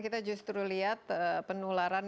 kita justru lihat penularan